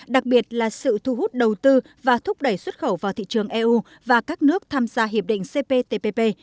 đặc biệt là sự thu hút đầu tư và thúc đẩy xuất khẩu vào thị trường eu và các nước tham gia hiệp định cptpp